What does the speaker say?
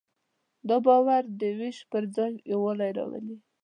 دا باور د وېش پر ځای یووالی راولي.